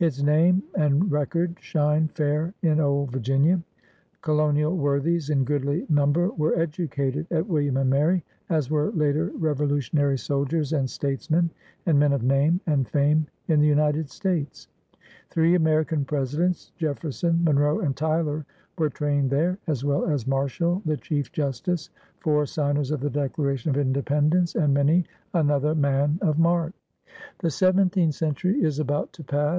Its name and record shine fair in old Vir ginia. Colonial worthies in goodly number were educated at William and Mary, as we^e later revo lutionary soldiers and statesmen, and men of name and fame in the United States. Three American Presidents — Jefferson, Monroe, and Tyler — were trained there, as well as Marshall, the Chief Jus tice, four signers of the Declaration of Independ ence, and many another man of mark. The seventeenth century is about to pass.